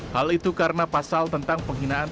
hal itu karena pasal tentang penghinaan